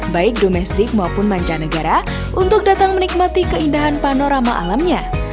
baik domestik maupun mancanegara untuk datang menikmati keindahan panorama alamnya